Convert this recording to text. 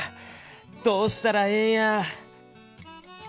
どうしたらええんや。